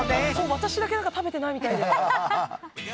私だけ食べてないみたいで。